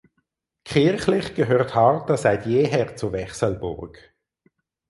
Kirchlich gehört Hartha seit jeher zu Wechselburg.